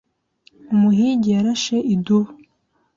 Umuhigi yarashe idubu.